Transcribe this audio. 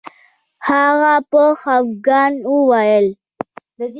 هغه په خفګان وویل